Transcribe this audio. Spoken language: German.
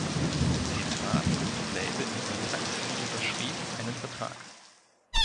Sie traten mit dem Label in Kontakt und unterschrieben einen Vertrag.